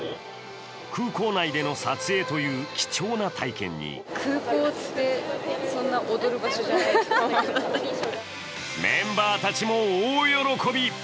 空港内での撮影という貴重な体験にメンバーたちも大喜び。